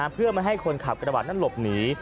เพื่อไม่ให้คนขับกระบาดนั้นหลบหนี